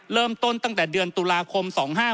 เริ่มต้นตั้งแต่เดือนตุลาคม๒๕๖๔